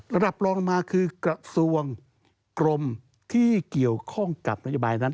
ระดับลองมาคือกระทรวงกรมที่เกี่ยวข้องกับรัฐมนตรี